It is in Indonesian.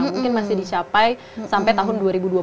mungkin masih dicapai sampai tahun dua ribu dua puluh